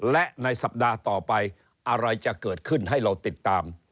และในสัปดาห์ต่อไปอะไรจะเกิดขึ้นให้เราติดตาม